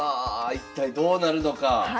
一体どうなるのか。